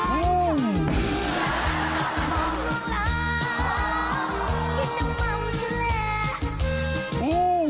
เฮอร์ช